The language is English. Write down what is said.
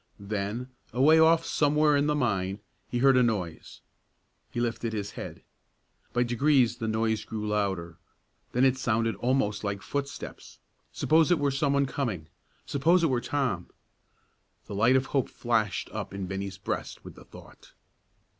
Then, away off somewhere in the mine, he heard a noise. He lifted his head. By degrees the noise grew louder; then it sounded almost like footsteps. Suppose it were some one coming; suppose it were Tom! The light of hope flashed up in Bennie's breast with the thought.